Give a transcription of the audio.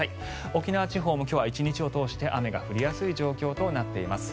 沖縄地方も今日は１日を通して雨が降りやすい状況となっています。